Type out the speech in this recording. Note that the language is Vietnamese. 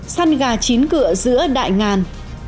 săn gà chín cửa giữa đại ngàn